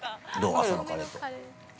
朝のカレーと。